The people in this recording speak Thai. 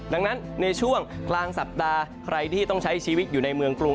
ดังนั้นในช่วงกลางสัปดาห์ใครที่ต้องใช้ชีวิตอยู่ในเมืองกรุง